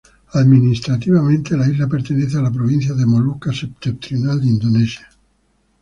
Administrativamente, la isla pertenece a la provincia de Molucas Septentrional de Indonesia.